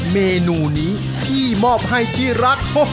เมนูนี้พี่มอบให้ที่รัก